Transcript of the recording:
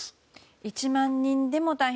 １万人でも大変。